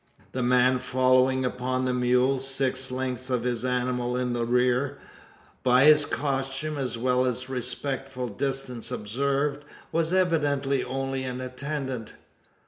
The man following upon the mule, six lengths of his animal in the rear, by his costume as well as the respectful distance observed was evidently only an attendant.